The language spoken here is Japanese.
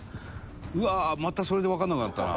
うわーまたそれでわからなくなったな。